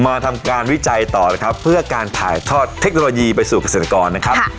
ทำการวิจัยต่อนะครับเพื่อการถ่ายทอดเทคโนโลยีไปสู่เกษตรกรนะครับ